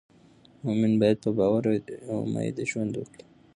مؤمن باید په باور او امید ژوند وکړي.